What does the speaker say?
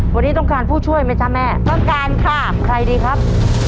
วันนี้ต้องการผู้ช่วยไหมจ๊ะแม่ต้องการค่ะใครดีครับ